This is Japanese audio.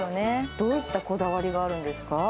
どういったこだわりがあるんですか？